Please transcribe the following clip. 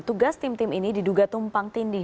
tugas tim tim ini diduga tumpang tindih